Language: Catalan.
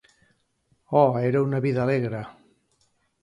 Oh, era una vida alegre!